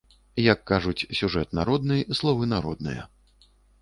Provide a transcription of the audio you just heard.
Як кажуць, сюжэт народны, словы народныя.